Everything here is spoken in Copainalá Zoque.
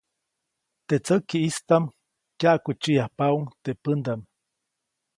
Teʼ tsäkiʼstaʼm kyaʼkutsiʼyajpaʼuŋ teʼ pändaʼm.